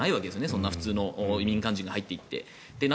そんな普通の民間人が入っていって。